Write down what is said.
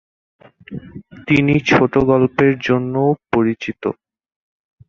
তিনি ছোট গল্পের জন্যও পরিচিত।